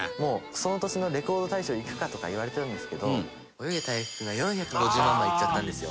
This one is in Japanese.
その年のレコード大賞いくか？とか言われてたんですけど『およげ！たいやきくん』が４５０万枚いっちゃったんですよ。